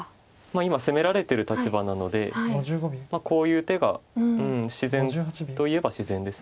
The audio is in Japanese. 今攻められてる立場なのでこういう手が自然といえば自然です。